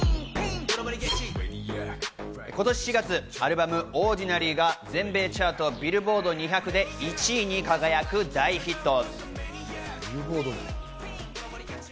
今年４月アルバム『ＯＤＤＩＮＡＲＹ』が全米チャート・ビルボード２００で１位に輝く大ヒット。